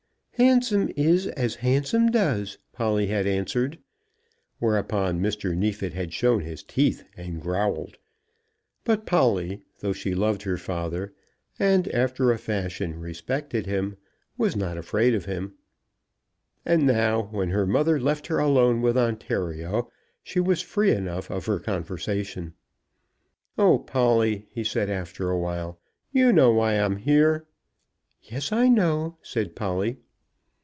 "Handsome is as handsome does," Polly had answered. Whereupon Mr. Neefit had shown his teeth and growled; but Polly, though she loved her father, and after a fashion respected him, was not afraid of him; and now, when her mother left her alone with Ontario, she was free enough of her conversation. "Oh, Polly," he said, after a while, "you know why I'm here." "Yes; I know," said Polly.